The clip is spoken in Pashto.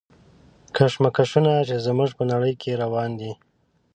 کشمکشونه چې زموږ په نړۍ کې روان دي.